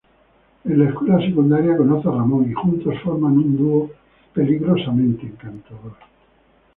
En la escuela secundaria conoce a Ramón y juntos forman un dúo peligrosamente encantador.